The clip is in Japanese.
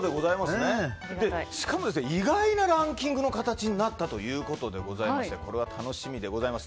しかも意外なランキングの形になったということでこれは楽しみでございます。